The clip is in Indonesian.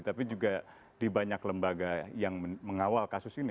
tapi juga di banyak lembaga yang mengawal kasus ini